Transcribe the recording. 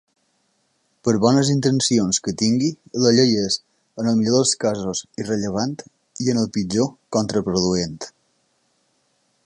Per bones intencions que tingui, la llei és, en el millor dels casos, irrellevant i, en el pitjor, contraproduent.